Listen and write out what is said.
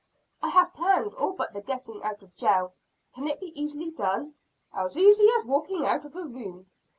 "I have planned all but the getting out of jail. Can it be easily done?" "As easy as walking out of a room."